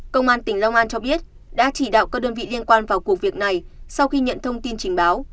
công an tỉnh long an cho biết đã chỉ đạo các đơn vị liên quan vào cuộc việc này sau khi nhận thông tin trình báo